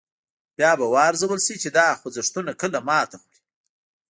بیا به و ارزول شي چې دا خوځښتونه کله ماتې خوري.